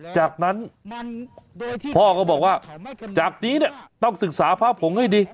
จากนั้นพ่อก็บอกว่าจากนี้เนี่ยต้องศึกษาพระผงให้ดี